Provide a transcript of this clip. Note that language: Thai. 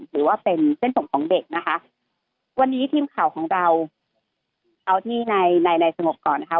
หรือว่าเป็นเส้นผมของเด็กนะคะวันนี้ทีมข่าวของเราเอาที่ในในสงบก่อนนะคะ